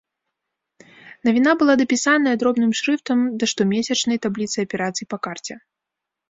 Навіна была дапісаная дробным шрыфтам да штомесячнай табліцы аперацый па карце.